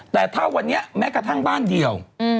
แต่ถ้าวันนี้แม้กระทั่งบ้านเดียว